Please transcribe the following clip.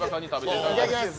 いただきます。